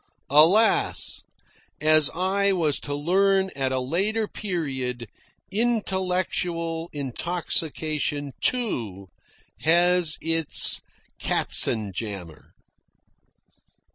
(Alas! as I was to learn at a later period, intellectual intoxication too, has its katzenjammer.)